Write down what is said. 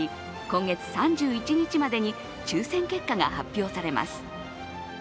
今月３１日までに抽選結果が発表されます。